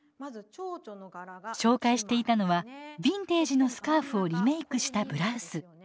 紹介していたのはビンテージのスカーフをリメークしたブラウス。